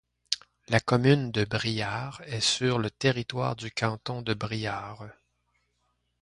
La commune de Briare est sur le territoire du canton de Briare.